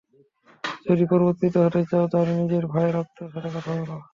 যদি পরিবর্তিত হতে চাও, তাহলে নিজের ভাইয়ের আত্মার সাথে কথা বলো।